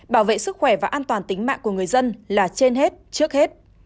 bảo vệ sức khỏe và an toàn tính mạng của người dân là trên hết trước hết